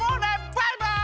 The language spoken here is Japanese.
バイバイ！